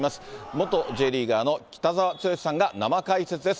元Ｊリーガーの北澤豪さんが生解説です。